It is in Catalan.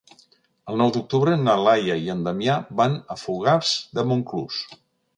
El nou d'octubre na Laia i en Damià van a Fogars de Montclús.